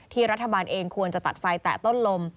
รัฐบาลเองควรจะตัดไฟแตะต้นลม